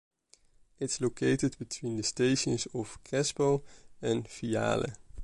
It is located between the stations of Crespo and Viale.